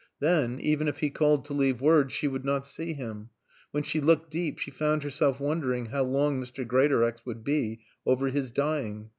Then, even if he called to leave word, she would not see him. When she looked deep she found herself wondering how long Mr. Greatorex would be over his dying.